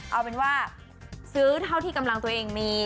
เอาเป็นว่าซื้อเท่าที่กำลังตัวเองมี